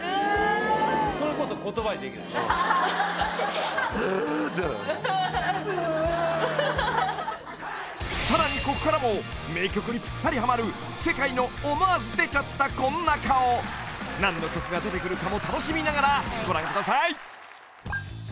それこそ「はあ」ってなる「うう」ってさらにここからも名曲にピッタリハマる世界の思わず出ちゃったこんな顔何の曲が出てくるかも楽しみながらご覧ください